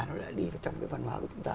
nó lại đi vào trong cái văn hóa của chúng ta